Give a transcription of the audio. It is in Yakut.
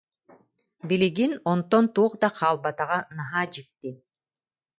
Билигин онтон туох да хаалбатаҕа наһаа дьикти